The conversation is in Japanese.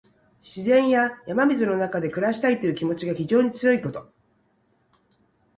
自然や山水の中で暮らしたいという気持ちが非常に強いこと。